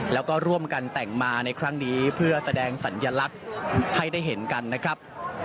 แล้วก็ร่วมกันแต่งมาในครั้งนี้เพื่อแสดงสัญลักษณ์ให้ได้เห็นกันนะครับ